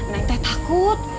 neng teh takut